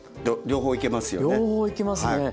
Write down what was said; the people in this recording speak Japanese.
両方いけますね。